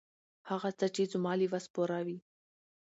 هغه څه، چې زما له وس پوره وي.